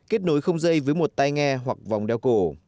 kết nối không dây với một tay nghe hoặc vòng đeo cổ